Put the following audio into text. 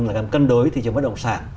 là cân đối thị trường với đồng sản